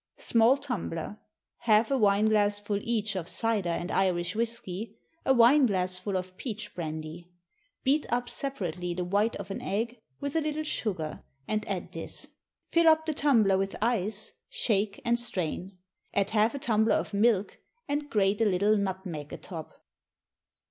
_ Small tumbler. Half a wine glassful each of cider and Irish whisky, a wine glassful of peach brandy. Beat up separately the white of an egg with a little sugar, and add this. Fill up the tumbler with ice; shake, and strain. Add half a tumbler of milk, and grate a little nutmeg atop.